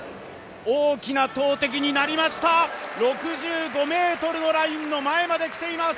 大きな投てきになりました、６５ｍのラインの前まで来ています。